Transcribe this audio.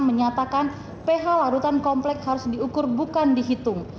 menyatakan ph larutan komplek harus diukur bukan dihitung